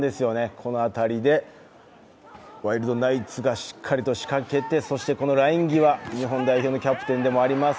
この辺りでワイルドナイツがしっかりと仕掛けて、ライン際、日本代表のキャプテンでもあります